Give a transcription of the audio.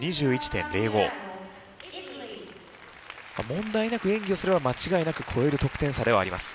問題なく演技をすれば間違いなく超える得点差ではあります。